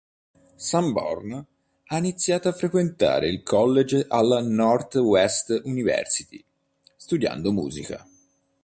Sanborn ha iniziato a frequentare il college alla Northwestern University, studiando musica.